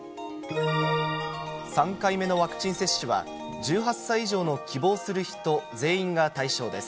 ３回目のワクチン接種は、１８歳以上の希望する人全員が対象です。